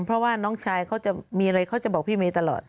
เพราะว่าน้องชายเขาจะมีอะไรเขาจะบอกพี่เมย์ตลอด